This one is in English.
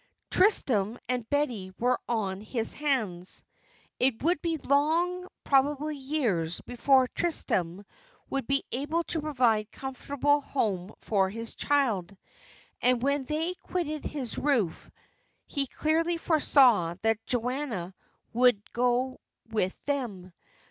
Tristram and Betty were on his hands. It would be long, probably years, before Tristram would be able to provide a comfortable home for his child, and when they quitted his roof he clearly foresaw that Joanna would go with them.